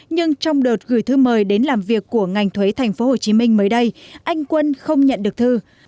nhưng trong đợt gửi thư mời đến làm việc của ngành thuế tp hcm mới đây anh quân không nhận được thư